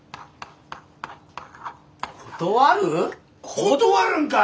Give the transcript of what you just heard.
断るんかい！